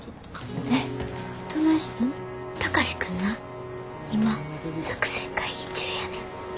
貴司君な今作戦会議中やねん。